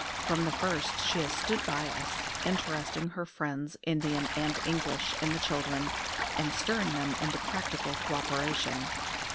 From the first she has stood by us, interesting her friends, Indian and English, in the children, and stirring them into practical co operation.